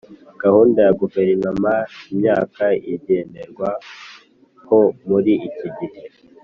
Gahunda ya Guverinoma y Imyaka igenderwaho muri iki gihe